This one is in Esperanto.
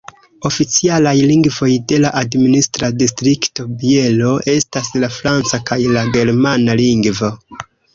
Oficialaj lingvoj de la administra distrikto Bielo estas la franca kaj la germana lingvo.